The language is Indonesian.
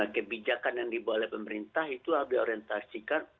kebijakan yang dibuat oleh pemerintah itu harus diorientasikan